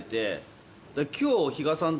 今日。